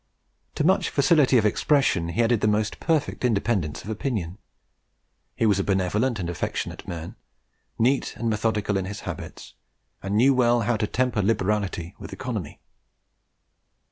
To much facility of expression he added the most perfect independence of opinion; he was a benevolent and affectionate man; neat and methodical in his habits, and knew well how to temper liberality with economy.